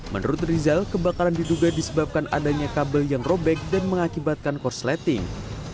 menurut rizal kebakaran diduga disebabkan adanya kabel yang robek dan mengakibatkan korsleting